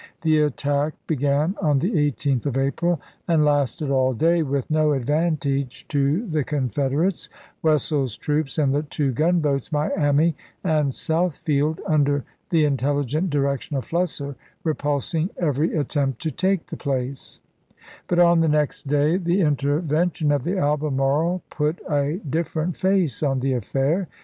The attack began on the 18th of April, and lasted all day, with 1864 no advantage to the Confederates, Wessels's troops, and the two gunboats Miami and Southfield, under the intelligent direction of Flusser, repulsing every attempt to take the place ; but on the next day the intervention of the Albemarle put a different face on the affair.